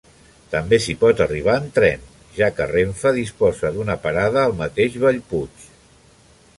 També s'hi pot arribar en tren, ja que Renfe disposa d'una parada al mateix Bellpuig.